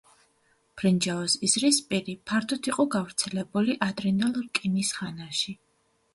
ბრინჯაოს ისრისპირი ფართოდ იყო გავრცელებული ადრინდელ რკინის ხანაში.